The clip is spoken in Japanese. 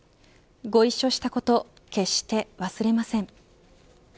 ご一緒したこと決して忘れません。